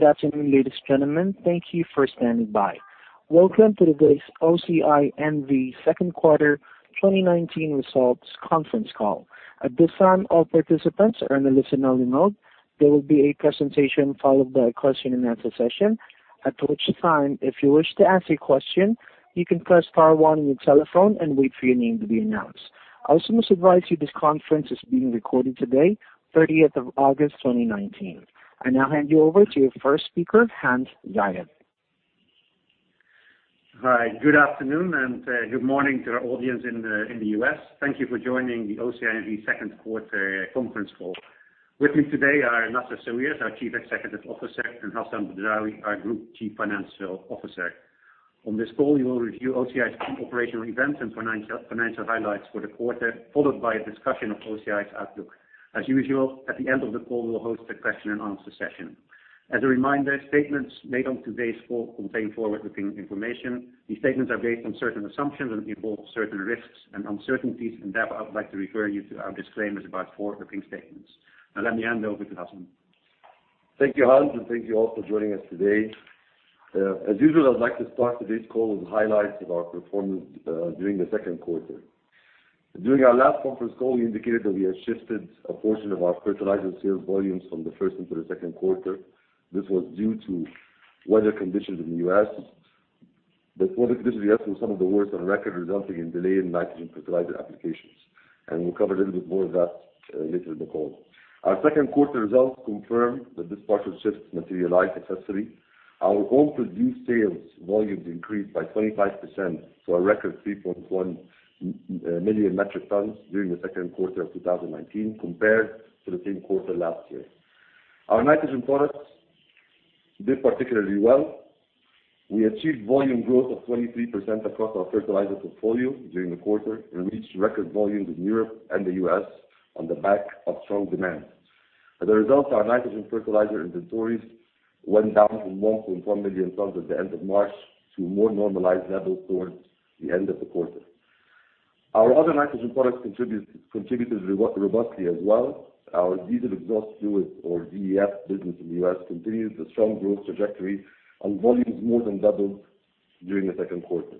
Good afternoon, ladies and gentlemen. Thank you for standing by. Welcome to today's OCI N.V. second quarter 2019 results conference call. At this time, all participants are in a listen-only mode. There will be a presentation followed by a question and answer session. At which time, if you wish to ask a question, you can press star one on your telephone and wait for your name to be announced. I also must advise you this conference is being recorded today, 30th of August 2019. I now hand you over to your first speaker, Hans Beelen. Hi. Good afternoon and good morning to our audience in the U.S. Thank you for joining the OCI N.V. second quarter conference call. With me today are Nassef Sawiris, our Chief Executive Officer, and Hassan Badrawi, our Group Chief Financial Officer. On this call, we will review OCI's key operational events and financial highlights for the quarter, followed by a discussion of OCI's outlook. As usual, at the end of the call, we'll host a question and answer session. As a reminder, statements made on today's call contain forward-looking information. These statements are based on certain assumptions and involve certain risks and uncertainties. In depth, I would like to refer you to our disclaimers about forward-looking statements. I'll hand it over to Hassan. Thank you, Hans, and thank you all for joining us today. As usual, I'd like to start today's call with highlights of our performance during the second quarter. During our last conference call, we indicated that we had shifted a portion of our fertilizer sales volumes from the first into the second quarter. This was due to weather conditions in the U.S. The weather conditions in the U.S. were some of the worst on record, resulting in delay in nitrogen fertilizer applications. We'll cover a little bit more of that later in the call. Our second quarter results confirm that this partial shift materialized successfully. Our own produced sales volumes increased by 25% to a record 3.1 million metric tons during the second quarter of 2019 compared to the same quarter last year. Our nitrogen products did particularly well. We achieved volume growth of 23% across our fertilizer portfolio during the quarter and reached record volumes in Europe and the U.S. on the back of strong demand. As a result, our nitrogen fertilizer inventories went down from 1.4 million tons at the end of March to more normalized levels towards the end of the quarter. Our other nitrogen products contributed robustly as well. Our diesel exhaust fluid or DEF business in the U.S. continued the strong growth trajectory and volumes more than doubled during the second quarter.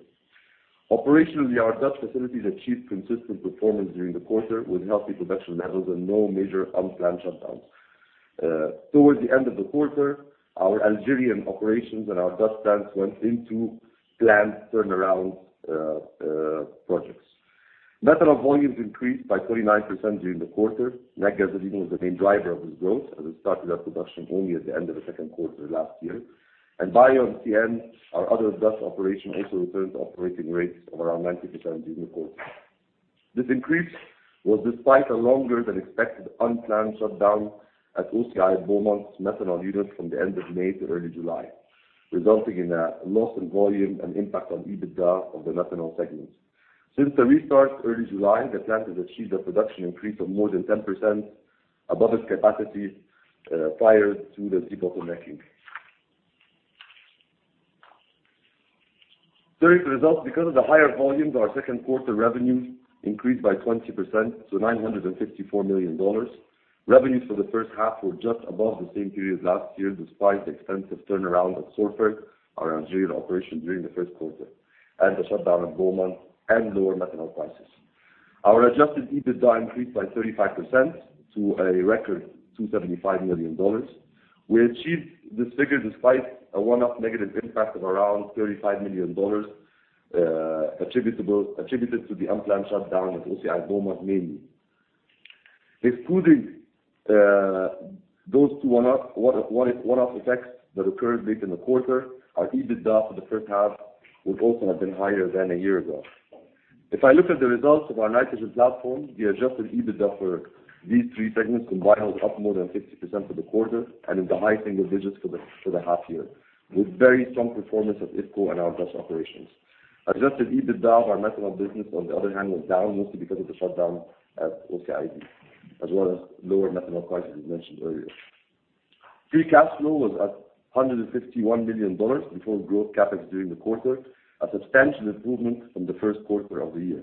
Operationally, our Dutch facilities achieved consistent performance during the quarter with healthy production levels and no major unplanned shutdowns. Towards the end of the quarter, our Algerian operations and our Dutch plants went into planned turnaround projects. Methanol volumes increased by 29% during the quarter. Natgasoline was the main driver of this growth as it started up production only at the end of the second quarter last year. BioMCN, our other Dutch operation, also returned to operating rates of around 90% during the quarter. This increase was despite a longer than expected unplanned shutdown at OCI Beaumont's methanol unit from the end of May to early July, resulting in a loss in volume and impact on EBITDA of the methanol segment. Since the restart early July, the plant has achieved a production increase of more than 10% above its capacity, prior to the debottlenecking. During the results, because of the higher volumes, our second quarter revenues increased by 20% to $954 million. Revenues for the first half were just above the same period last year, despite the extensive turnaround at Sorfert, our Algerian operation during the first quarter, and the shutdown at Beaumont and lower methanol prices. Our adjusted EBITDA increased by 35% to a record $275 million. We achieved this figure despite a one-off negative impact of around $35 million, attributed to the unplanned shutdown at OCI Beaumont mainly. Excluding those two one-off effects that occurred late in the quarter, our EBITDA for the first half would also have been higher than a year ago. If I look at the results of our nitrogen platform, the adjusted EBITDA for these three segments combined was up more than 50% for the quarter and in the high single digits for the half year, with very strong performance at IFCo and our Dutch operations. Adjusted EBITDA of our methanol business, on the other hand, was down mostly because of the shutdown at OCI, as well as lower methanol prices as mentioned earlier. Free cash flow was at $151 million before growth CapEx during the quarter, a substantial improvement from the first quarter of the year.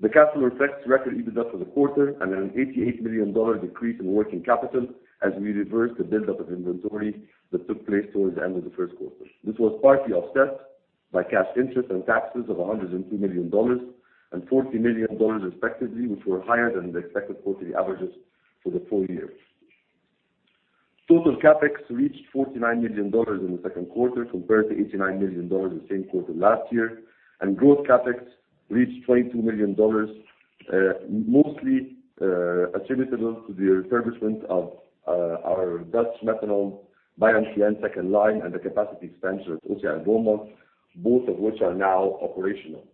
The cash flow reflects record EBITDA for the quarter and an $88 million decrease in working capital as we reversed the buildup of inventory that took place towards the end of the first quarter. This was partly offset by cash interest and taxes of $102 million and $40 million respectively, which were higher than the expected quarterly averages for the full year. Total CapEx reached $49 million in the second quarter compared to $89 million the same quarter last year, and growth CapEx reached $22 million, mostly attributable to the refurbishment of our Dutch methanol BioMCN second line and the capacity expansion at OCI Beaumont, both of which are now operational.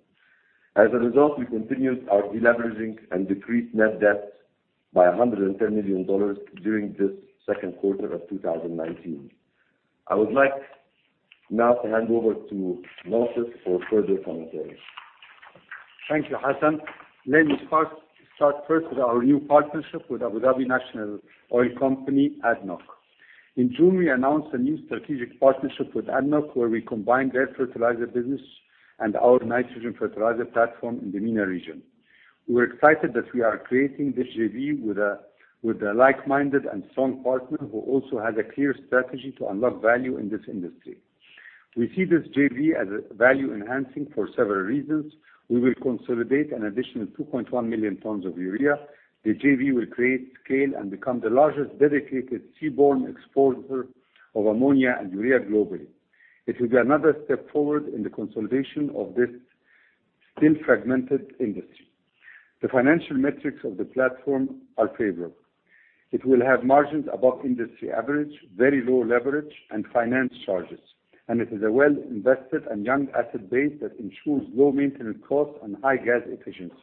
As a result, we continued our deleveraging and decreased net debt by $110 million during this second quarter of 2019. I would like now to hand over to Nassef for further commentary. Thank you, Hassan. Let me start first with our new partnership with Abu Dhabi National Oil Company, ADNOC. In June, we announced a new strategic partnership with ADNOC where we combined their fertilizer business and our nitrogen fertilizer platform in the MENA region. We're excited that we are creating this JV with a like-minded and strong partner who also has a clear strategy to unlock value in this industry. We see this JV as value-enhancing for several reasons. We will consolidate an additional 2.1 million tons of urea. The JV will create scale and become the largest dedicated seaborne exporter of ammonia and urea globally. It will be another step forward in the consolidation of this still fragmented industry. The financial metrics of the platform are favorable. It will have margins above industry average, very low leverage, and finance charges, and it is a well-invested and young asset base that ensures low maintenance costs and high gas efficiency.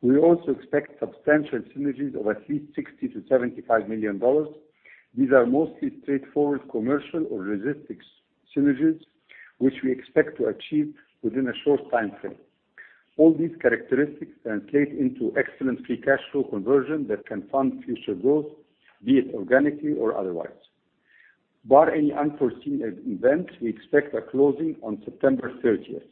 We also expect substantial synergies of at least $60 million-$75 million. These are mostly straightforward commercial or logistics synergies, which we expect to achieve within a short timeframe. All these characteristics translate into excellent free cash flow conversion that can fund future growth, be it organically or otherwise. Bar any unforeseen events, we expect a closing on September 30th.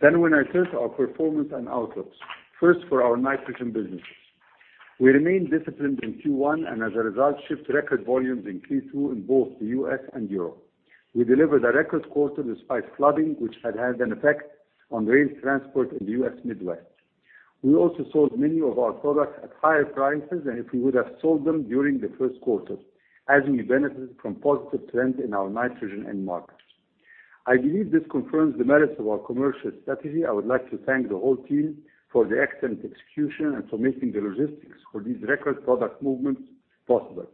When I turn to our performance and outlooks. First, for our nitrogen businesses. We remained disciplined in Q1, and as a result, shipped record volumes in Q2 in both the U.S. and Europe. We delivered a record quarter despite flooding, which had an effect on rail transport in the U.S. Midwest. We also sold many of our products at higher prices than if we would have sold them during the first quarter, as we benefited from positive trends in our nitrogen end markets. I believe this confirms the merits of our commercial strategy. I would like to thank the whole team for the excellent execution and for making the logistics for these record product movements possible.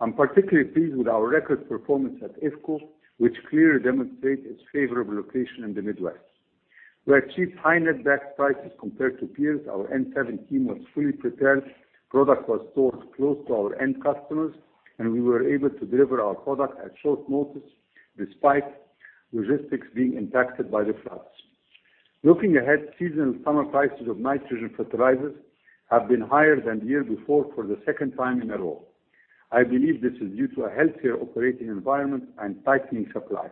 I'm particularly pleased with our record performance at IFCo, which clearly demonstrates its favorable location in the Midwest. We achieved high netback prices compared to peers. Our N-7 team was fully prepared. Product was stored close to our end customers, and we were able to deliver our product at short notice despite logistics being impacted by the floods. Looking ahead, seasonal summer prices of nitrogen fertilizers have been higher than the year before for the second time in a row. I believe this is due to a healthier operating environment and tightening supply.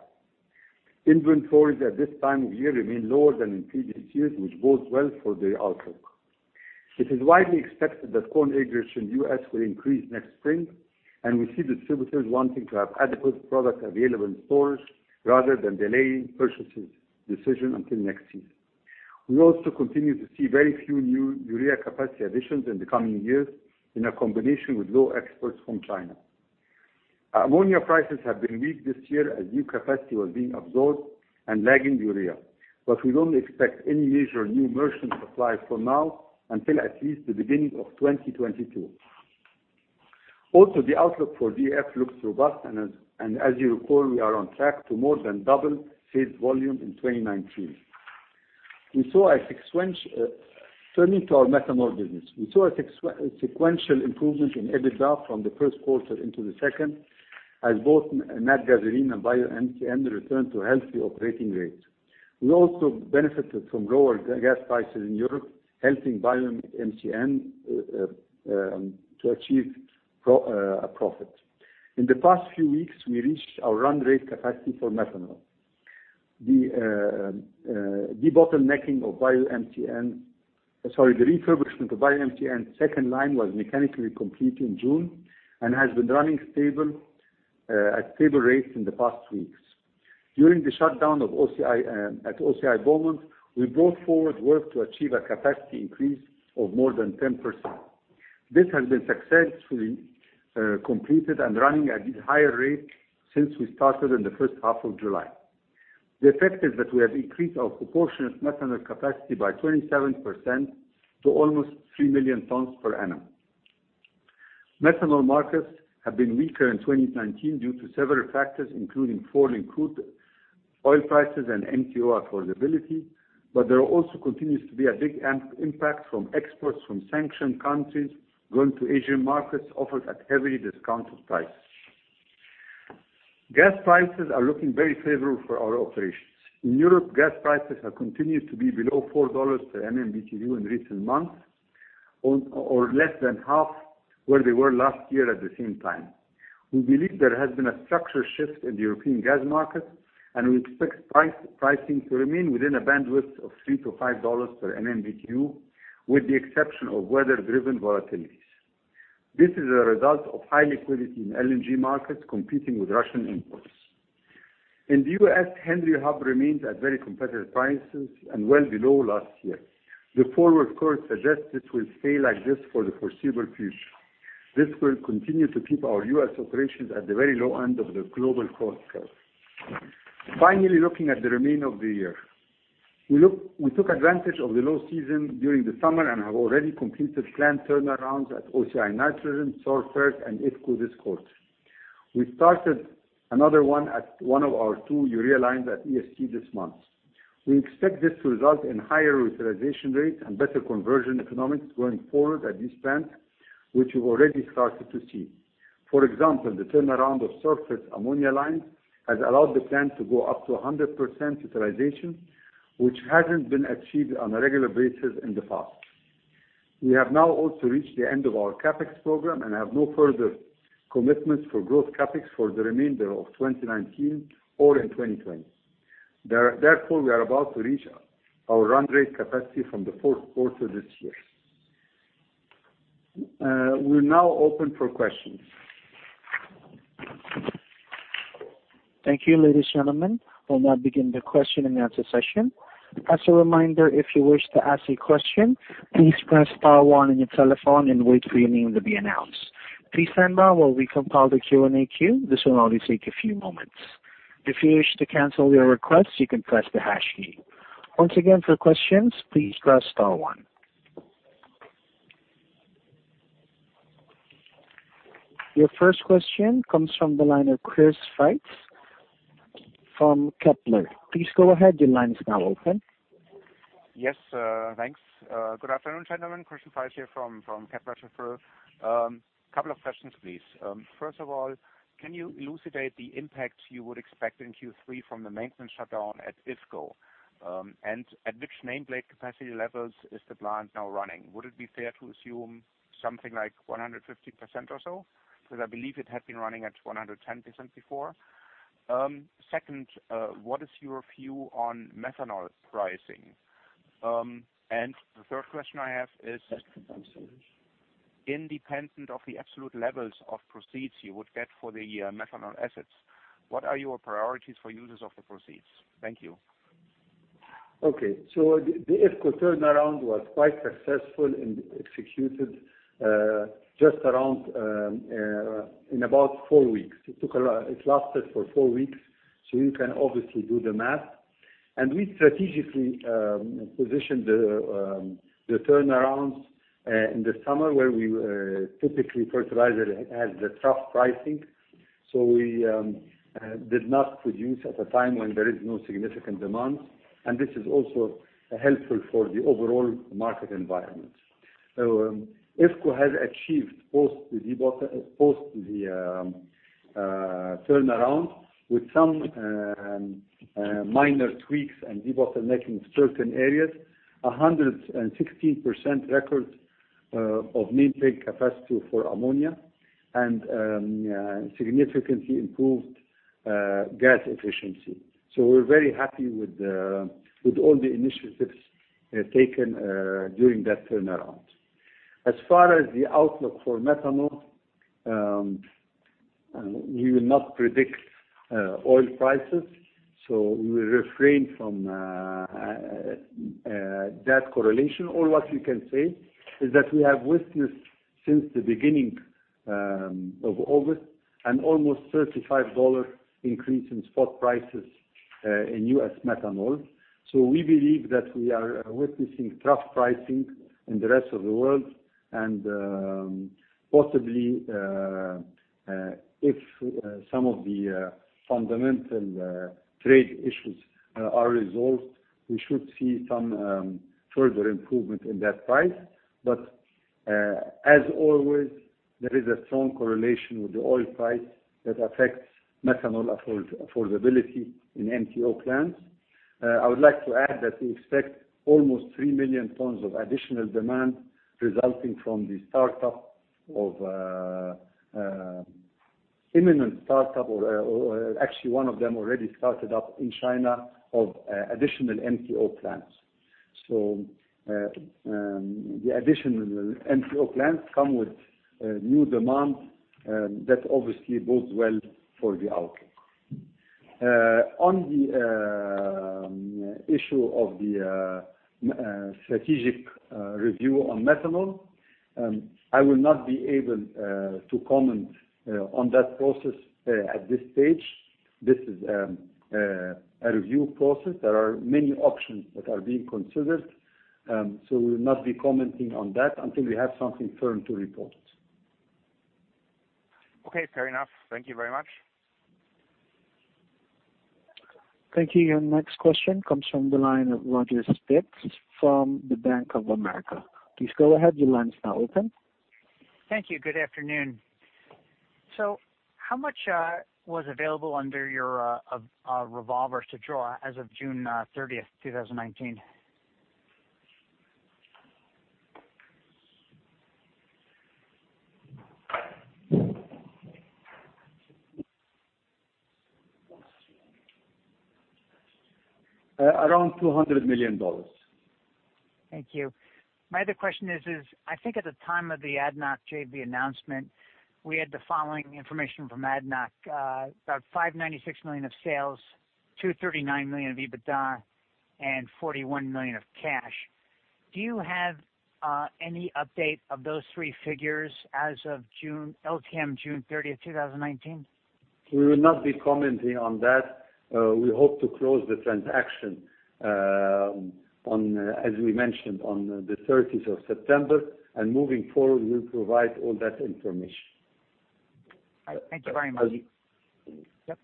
Inventories at this time of year remain lower than in previous years, which bodes well for the outlook. It is widely expected that corn acreage in the U.S. will increase next spring, and we see distributors wanting to have adequate product available in stores rather than delaying purchases decision until next season. We also continue to see very few new urea capacity additions in the coming years in a combination with low exports from China. Ammonia prices have been weak this year as new capacity was being absorbed and lagging urea. We don't expect any major new merchant supply for now until at least the beginning of 2022. The outlook for DEF looks robust and as you recall, we are on track to more than double its volume in 2019. Turning to our methanol business. We saw a sequential improvement in EBITDA from the first quarter into the second, as both Natgasoline and BioMCN returned to healthy operating rates. We also benefited from lower gas prices in Europe, helping BioMCN to achieve a profit. In the past few weeks, we reached our run rate capacity for methanol. The debottlenecking of BioMCN. The refurbishment of BioMCN's second line was mechanically complete in June and has been running stable at stable rates in the past weeks. During the shutdown at OCI Beaumont, we brought forward work to achieve a capacity increase of more than 10%. This has been successfully completed and running at a higher rate since we started in the first half of July. The effect is that we have increased our proportionate methanol capacity by 27% to almost 3 million tons per annum. Methanol markets have been weaker in 2019 due to several factors, including falling crude oil prices and MTO affordability, but there also continues to be a big impact from exports from sanctioned countries going to Asian markets offered at heavily discounted prices. Gas prices are looking very favorable for our operations. In Europe, gas prices have continued to be below $4 per MMBtu in recent months or less than half where they were last year at the same time. We believe there has been a structural shift in the European gas market. We expect pricing to remain within a bandwidth of $3-$5 per MMBtu, with the exception of weather-driven volatilities. This is a result of high liquidity in LNG markets competing with Russian imports. In the U.S., Henry Hub remains at very competitive prices and well below last year. The forward curve suggests it will stay like this for the foreseeable future. This will continue to keep our U.S. operations at the very low end of the global cost curve. Looking at the remainder of the year. We took advantage of the low season during the summer and have already completed planned turnarounds at OCI Nitrogen, Sorfert, and IFCo this quarter. We started another one at one of our two urea lines at EFC this month. We expect this to result in higher utilization rates and better conversion economics going forward at these plants, which we've already started to see. For example, the turnaround of Sorfert's ammonia line has allowed the plant to go up to 100% utilization, which hasn't been achieved on a regular basis in the past. We have now also reached the end of our CapEx program and have no further commitments for growth CapEx for the remainder of 2019 or in 2020. Therefore, we are about to reach our run rate capacity from the fourth quarter this year. We're now open for questions. Thank you, ladies and gentlemen. We'll now begin the question and answer session. As a reminder, if you wish to ask a question, please press star one on your telephone and wait for your name to be announced. Please stand by while we compile the Q&A queue. This will only take a few moments. If you wish to cancel your request, you can press the hash key. Once again, for questions, please press star one. Your first question comes from the line of Christian Faitz from Kepler. Please go ahead. Your line is now open. Yes, thanks. Good afternoon, gentlemen. Christian Faitz here from Kepler Cheuvreux. Couple of questions, please. First of all, can you elucidate the impact you would expect in Q3 from the maintenance shutdown at EFC? At which nameplate capacity levels is the plant now running? Would it be fair to assume something like 150% or so? Because I believe it had been running at 110% before. Second, what is your view on methanol pricing? The third question I have is, independent of the absolute levels of proceeds you would get for the methanol assets, what are your priorities for uses of the proceeds? Thank you. Okay, the EFC turnaround was quite successful and executed, just around in about four weeks. It lasted for four weeks. You can obviously do the math. We strategically positioned the turnarounds in the summer, where we were typically fertilizer has the tough pricing. We did not produce at a time when there is no significant demand, and this is also helpful for the overall market environment. EFC has achieved post the debottleneck, post the turnaround with some minor tweaks and debottlenecking certain areas, 116% record of nameplate capacity for ammonia and significantly improved gas efficiency. We're very happy with all the initiatives taken during that turnaround. As far as the outlook for methanol, we will not predict oil prices, we will refrain from that correlation. What we can say is that we have witnessed since the beginning of August, an almost $35 increase in spot prices in U.S. methanol. We believe that we are witnessing tough pricing in the rest of the world and possibly, if some of the fundamental trade issues are resolved, we should see some further improvement in that price. As always, there is a strong correlation with the oil price that affects methanol affordability in MTO plants. I would like to add that we expect almost 3 million tons of additional demand resulting from the imminent startup, or actually one of them already started up in China, of additional MTO plants. The additional MTO plants come with new demand, that obviously bodes well for the outlook. On the issue of the strategic review on methanol, I will not be able to comment on that process at this stage. This is a review process. There are many options that are being considered. We will not be commenting on that until we have something firm to report. Okay, fair enough. Thank you very much. Thank you. Your next question comes from the line of Roger Spitz from the Bank of America. Please go ahead. Your line is now open. Thank you. Good afternoon. How much was available under your revolvers to draw as of June 30th, 2019? Around $200 million. Thank you. My other question is, I think at the time of the ADNOC JV announcement, we had the following information from ADNOC, about $596 million of sales, $239 million of EBITDA, and $41 million of cash. Do you have any update of those three figures as of LTM June 30th, 2019? We will not be commenting on that. We hope to close the transaction, as we mentioned, on the 30th of September. Moving forward, we'll provide all that information. Thank you very much. Yep.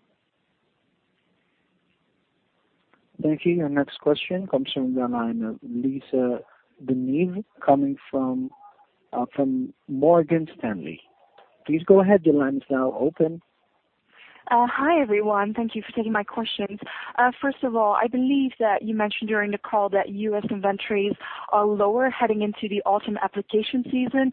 Thank you. Your next question comes from the line of Lisa Dinev coming from Morgan Stanley. Please go ahead. Your line is now open. Hi, everyone. Thank you for taking my questions. First of all, I believe that you mentioned during the call that U.S. inventories are lower heading into the autumn application season.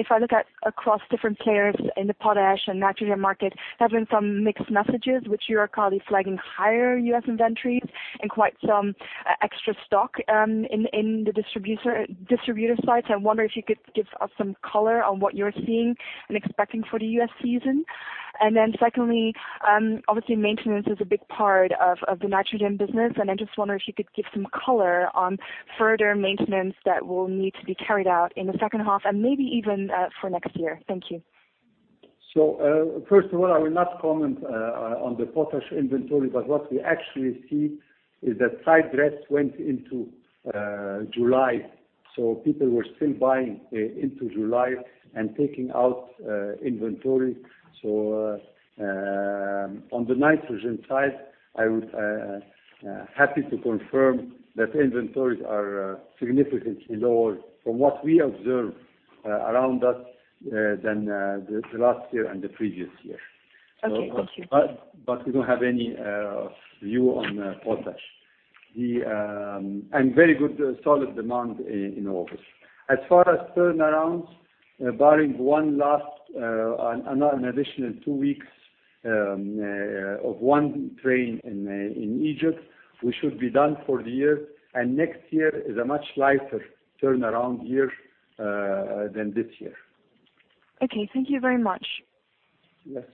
If I look at across different players in the potash and nitrogen market, there have been some mixed messages, which you are currently flagging higher U.S. inventories and quite some extra stock in the distributor side. I wonder if you could give us some color on what you're seeing and expecting for the U.S. season. Secondly, obviously maintenance is a big part of the nitrogen business, and I just wonder if you could give some color on further maintenance that will need to be carried out in the second half and maybe even for next year. Thank you. First of all, I will not comment on the potash inventory, but what we actually see is that side dress went into July. People were still buying into July and taking out inventory. On the nitrogen side, I would happy to confirm that inventories are significantly lower from what we observe around us than the last year and the previous year. Okay. Thank you. We don't have any view on potash. Very good solid demand in August. As far as turnarounds, barring one last, an additional two weeks of one train in Egypt, we should be done for the year, and next year is a much lighter turnaround year than this year. Okay, thank you very much. Yes.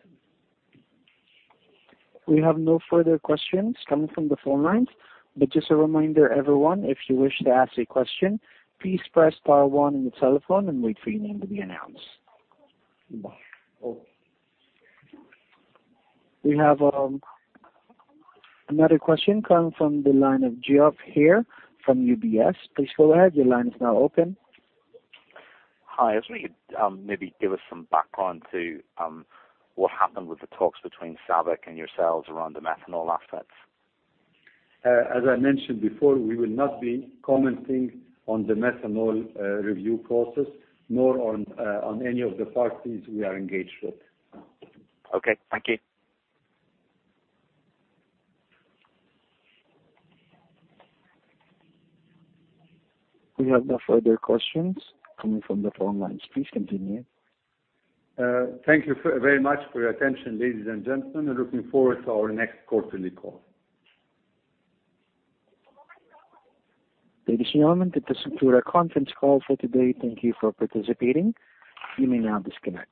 We have no further questions coming from the phone lines. Just a reminder everyone, if you wish to ask a question, please press star one on your telephone and wait for your name to be announced. We have another question coming from the line of Geoff Haire from UBS. Please go ahead, your line is now open. Hi. I was wondering if maybe give us some background to what happened with the talks between SABIC and yourselves around the methanol assets? As I mentioned before, we will not be commenting on the methanol review process, nor on any of the parties we are engaged with. Okay. Thank you. We have no further questions coming from the phone lines. Please continue. Thank you very much for your attention, ladies and gentlemen, and looking forward to our next quarterly call. Ladies and gentlemen, that concludes our conference call for today. Thank you for participating. You may now disconnect.